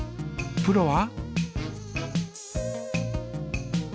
プロは？